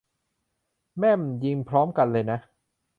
แม่ม ! ยิงพร้อมกันเลยนะ